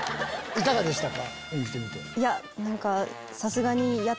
いかがでしたか？